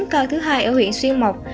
cao thứ hai ở huyện xuyên mộc